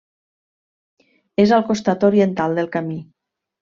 És al costat oriental del camí.